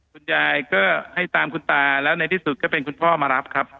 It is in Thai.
คุณยายก็ให้ตามคุณตาแล้วในที่สุดก็เป็นคุณพ่อมารับครับ